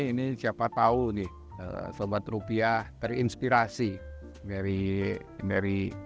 ini siapa tahu nih sobat rupiah terinspirasi dari